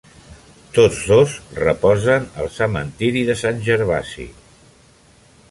Tots dos reposen al cementiri de Sant Gervasi.